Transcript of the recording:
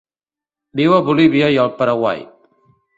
Viu a Bolívia i el Paraguai.